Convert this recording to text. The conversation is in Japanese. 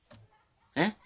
えっ？